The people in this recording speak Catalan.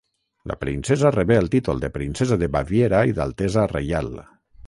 La princesa rebé el títol de princesa de Baviera i d'altesa reial.